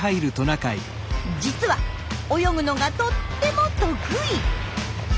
実は泳ぐのがとっても得意。